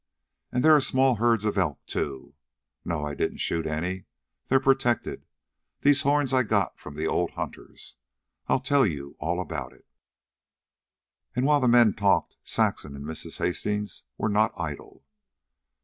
And there are small herds of elk, too. No; I didn't shoot any. They're protected. These horns I got from the old hunters. I'll tell you all about it." And while the men talked, Saxon and Mrs. Hastings were not idle.